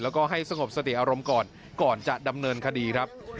แล้วก็ให้สงบสติอารมณ์ก่อนก่อนจะดำเนินคดีครับ